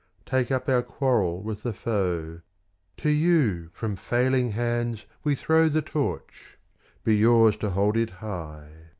Take up our quarrel with the foe: To you from failing hands we throw The Torch: be yours to hold it high!